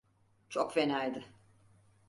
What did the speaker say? Çok fenaydı.